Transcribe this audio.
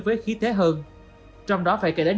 với khí thế hơn trong đó phải kể đến